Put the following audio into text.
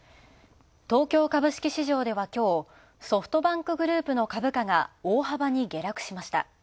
東京株式市場ではきょう、ソフトバンクグループの株価が大幅に下落しました。